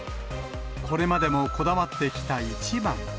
これまでもこだわってきた１番。